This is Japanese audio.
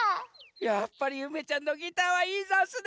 やっぱりゆめちゃんのギターはいいざんすね。